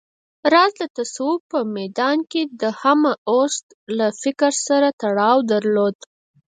راز د تصوف په ميدان کې د همه اوست له فکر سره تړاو درلود